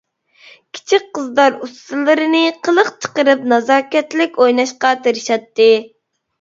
كىچىك قىزلار ئۇسسۇللىرىنى قىلىق چىقىرىپ، نازاكەتلىك ئويناشقا تىرىشاتتى.